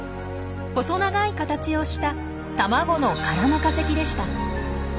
細長い形をした卵の殻の化石でした。